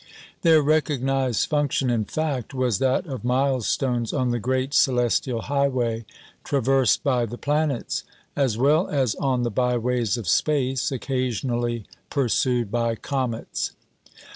Their recognised function, in fact, was that of milestones on the great celestial highway traversed by the planets, as well as on the byways of space occasionally pursued by comets.